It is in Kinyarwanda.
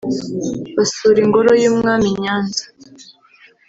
basura ingoro y’umwami i Nyanza